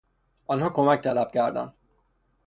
آنها کمک طلب کردند.